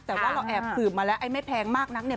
แต่ว่าเราแอบสืบมาแล้วไอ้ไม่แพงมากนักเนี่ย